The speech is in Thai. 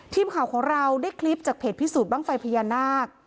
ทีมข่าวของเราได้คลิปจากเพจพิสูจนบ้างไฟพญานาค